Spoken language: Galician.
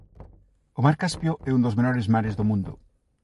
O mar Caspio é un dos menores mares do mundo.